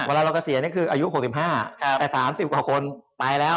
เวลาเราเกษียณเนี่ยคืออายุหกสิบห้าแต่สามสิบกว่าคนตายแล้ว